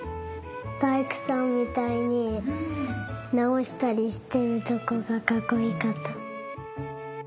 だいくさんみたいになおしたりしてるとこがかっこいかった。